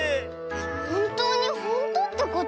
ほんとうにほんとってこと⁉